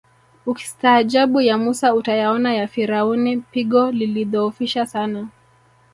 Ukistaajabu ya Mussa utayaona ya Firauni pigo lilidhoofisha sana